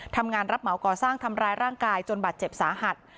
รับเหมาก่อสร้างทำร้ายร่างกายจนบาดเจ็บสาหัส